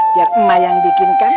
biar emak yang bikinkan